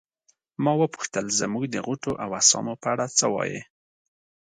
ما وپوښتل زموږ د غوټو او اسامو په اړه څه وایې.